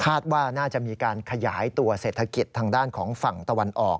ว่าน่าจะมีการขยายตัวเศรษฐกิจทางด้านของฝั่งตะวันออก